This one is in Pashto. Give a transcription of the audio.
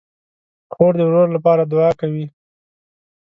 خور د ورور لپاره دعا کوي.